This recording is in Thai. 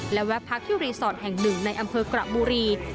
และแวะพักที่รีสอร์ทแห่งหนึ่งในอำเภอกระบุรี